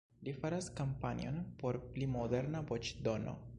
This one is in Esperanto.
Li faras kampanjon por pli moderna voĉdono.